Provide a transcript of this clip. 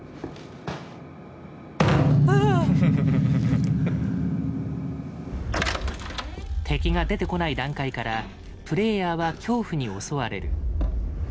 あぁっ！敵が出てこない段階からプレイヤーは恐怖に襲われる。